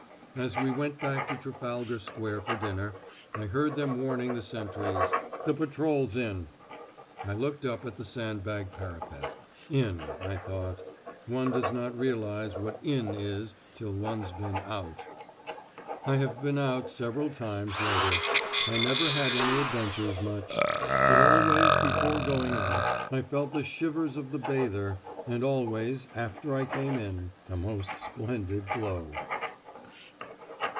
As we went back to Trafalgar Square for dinner, I heard them warning the sentries "The patrol's in." I looked up at the sandbag parapet. "In," I thought. "One does not realise what 'in' is, till one's been out." I have been out several times later. I never had any adventures much. But always, before going out, I felt the shivers of the bather; and always, after I came in, a most splendid glow.